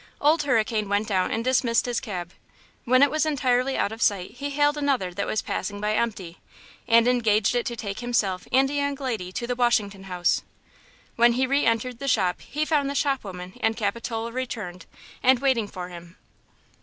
Old Hurricane went out and dismissed his cab. When it was entirely out of sight he hailed another that was passing by empty, and engaged it to take himself and a young lady to the Washington House. When he re entered the shop he found the shop woman and Capitola returned and waiting for him.